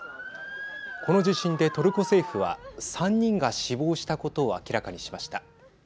この地震でトルコ政府は３人が死亡したことを明らかにしました。